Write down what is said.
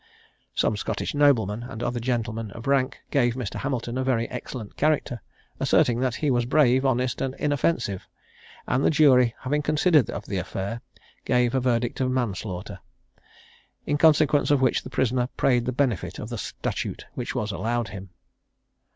Some Scottish noblemen, and other gentlemen of rank, gave Mr. Hamilton a very excellent character, asserting that he was brave, honest, and inoffensive; and the jury, having considered of the affair, gave a verdict of "Manslaughter;" in consequence of which the prisoner prayed the benefit of the statute, which was allowed him.